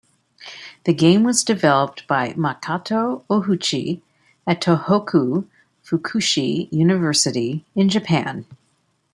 The game was developed by Makato Ohuchi at Tohoku Fukushi University in Japan.